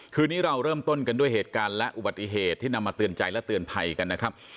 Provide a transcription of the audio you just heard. คืนนี้เราเริ่มต้นกันด้วยเหตุการณ์และอุบัติเหตุที่นำมาเตือนใจและเตือนภัยกันนะครับ